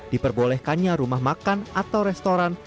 diperbolehkannya rumah makan atau restoran